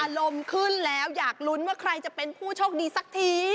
อารมณ์ขึ้นแล้วอยากลุ้นว่าใครจะเป็นผู้โชคดีสักที